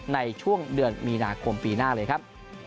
ในช่วงเดือนมีนาคมปีหน้าเลยครับ